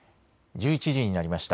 １１時になりました。